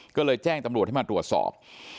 ก็เลยแจ้งตำรวจให้มาตรวจสอบ